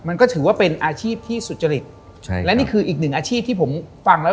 มันก็ถือว่าเป็นอาชีพที่สุจริตใช่และนี่คืออีกหนึ่งอาชีพที่ผมฟังแล้ว